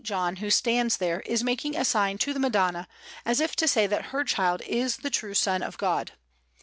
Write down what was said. John, who stands there, is making a sign to the Madonna, as if to say that her Child is the true Son of God.